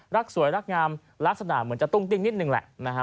รักสวยรักงามลักษณะเหมือนจะตุ้งติ้งนิดนึงแหละนะฮะ